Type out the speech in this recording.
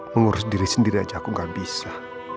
mengurus diri sendiri aja aku gak bisa